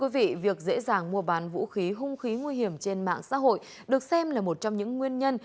việc dễ dàng mua bán vũ khí hung khí nguy hiểm trên mạng xã hội được xem là một trong những nguyên nhân